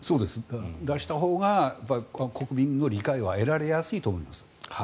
出したほうが国民の理解は得られやすいと思うんです。